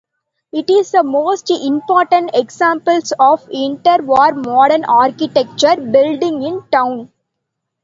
It is the most important example of interwar modern architecture building in town.